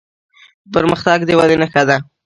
پرمختګ د ودې نښه ده.